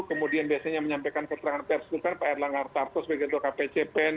kemudian biasanya menyampaikan keterangan persikutan pak erlang artarto sebagai kato kpcpen